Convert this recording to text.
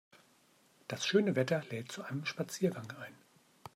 Das schöne Wetter lädt zu einem Spaziergang ein.